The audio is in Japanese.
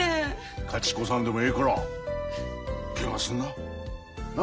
勝ち越さんでもええからけがするな。な！